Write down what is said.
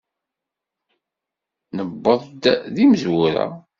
Newweḍ d imezwura.